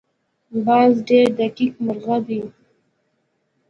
باز ډېر دقیق مرغه دی